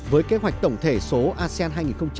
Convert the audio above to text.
với kế hoạch tổng thể số asean hai nghìn hai mươi năm